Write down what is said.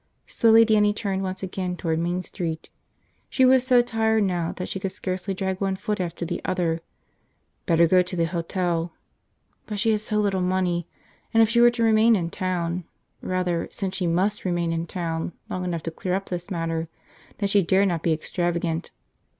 Slowly Dannie turned once again toward Main Street. She was so tired now that she could scarcely drag one foot after the other. Better go to the hotel. But she had so little money. And if she were to remain in town – rather, since she must remain in town long enough to clear up this matter, then she dared not be extravagant.